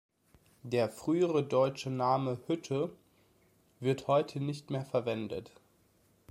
Der frühere deutsche Name "Hütte" wird heute nicht mehr verwendet.